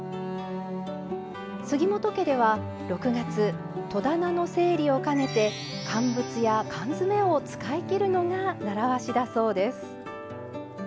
杉本家では６月戸棚の整理を兼ねて乾物や缶詰を使い切るのが習わしだそうです。